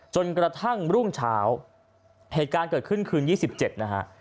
จนกระทั่งรุ่งเช้าเหตุการณ์เกิดขึ้นคืน๒๗นะฮะ